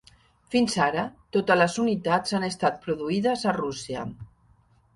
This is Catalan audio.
Fins ara, totes les unitats han estat produïdes a Rússia.